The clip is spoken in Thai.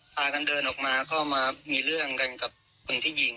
พากันเดินออกมาก็มามีเรื่องกันกับคนที่ยิง